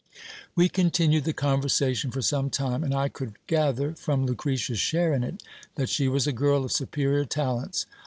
We continued the conversation for some time : and I could gather, from Lucretia's share in it, that she was a girl of superior talents.